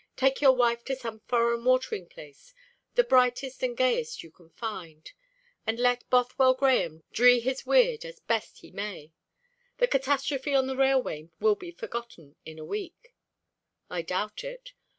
Take your wife to some foreign watering place, the brightest and gayest you can find. And let Bothwell Grahame dree his weird as best he may. The catastrophe on the railway will be forgotten in a week." "I doubt it.